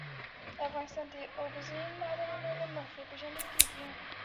افغانستان د اوبزین معدنونه له مخې پېژندل کېږي.